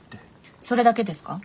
それだけですか？